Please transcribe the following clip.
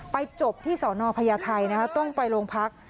จบที่สอนอพญาไทยต้องไปโรงพัก